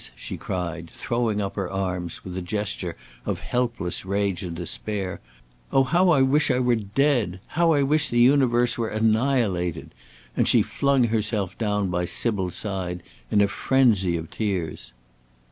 she cried, throwing up her arms with a gesture of helpless rage and despair. "Oh, how I wish I were dead! how I wish the universe were annihilated!" and she flung herself down by Sybil's side in a frenzy of tears.